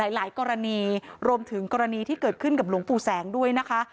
หลายกรณีรวมถึงกรณีที่เกิดขึ้นกับหลวงปู่แสงด้วยนะคะ